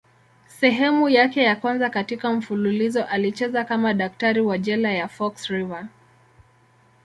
Sehemu yake ya kwanza katika mfululizo alicheza kama daktari wa jela ya Fox River.